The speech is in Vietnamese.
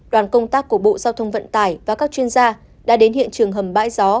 đoàn công tác của bộ giao thông vận tải và các chuyên gia đã đến hiện trường hầm bãi gió